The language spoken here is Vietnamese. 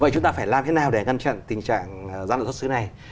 vậy chúng ta phải làm thế nào để ngăn chặn tình trạng giả danh xuất xứ này